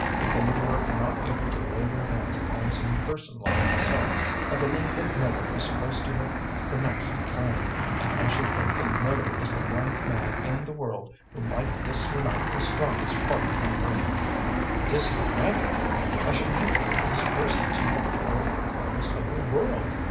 If they were not able to lay their hands upon some person like myself, I believe that Miller was supposed to have the next claim, and I should think that Miller is the one man in the world who might disunite the strongest party on earth." "Disunite it? I should think he would disperse it to the four corners of the world!"